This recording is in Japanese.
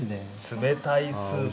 冷たいスープ。